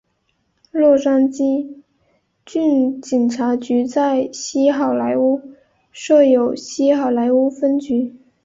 洛杉矶郡警察局在西好莱坞设有西好莱坞分局。